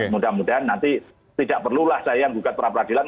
mudah mudahan nanti tidak perlulah saya yang gugat peradilan